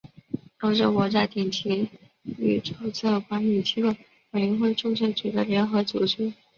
欧洲国家顶级域注册管理机构委员会注册局的联合组织。